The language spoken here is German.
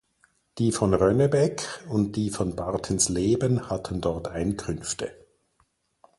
Die von Rönnebeck und die von Bartensleben hatten dort Einkünfte.